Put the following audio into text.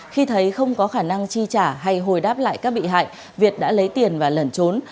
khi thấy không có khả năng chi trả hay hồi đáp lại các bị hại việt đã lấy tiền và lẩn trốn